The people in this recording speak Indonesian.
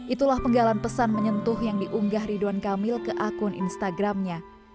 itulah penggalan pesan menyentuh yang diunggah ridwan kamil ke akun instagramnya